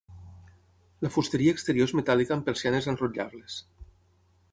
La fusteria exterior és metàl·lica amb persianes enrotllables.